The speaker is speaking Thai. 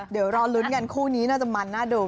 เดี๋ยวรอลุ้นกันคู่นี้น่าจะมันน่าดู